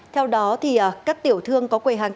theo đó các tiểu thương có quê hạng